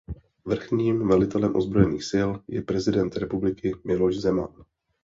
Vrchním velitelem ozbrojených sil je prezident republiky Miloš Zeman.